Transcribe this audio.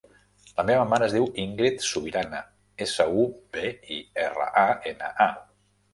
La meva mare es diu Íngrid Subirana: essa, u, be, i, erra, a, ena, a.